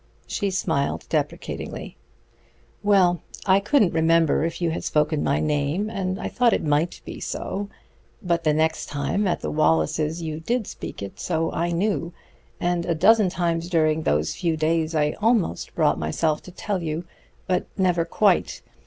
She smiled deprecatingly. "Well, I couldn't remember if you had spoken my name; and I thought it might be so. But the next time, at the Wallaces', you did speak it, so I knew; and a dozen times during those few days I almost brought myself to tell you, but never quite.